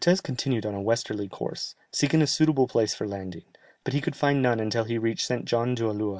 ] Cortès continued on a westerly course, seeking a suitable place for landing, but he could find none until he reached St. John d'Ulloa.